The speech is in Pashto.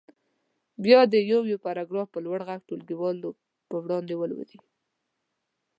بیا دې یو یو پاراګراف په لوړ غږ ټولګیوالو په وړاندې ولولي.